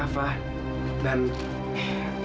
ada kuda kudaan buat kafa